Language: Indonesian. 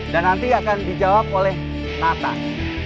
dan nanti akan dijawab oleh nathan